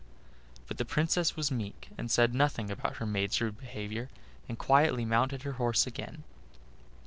But the Princess was meek, and said nothing about her maid's rude behavior, and quietly mounted her horse again.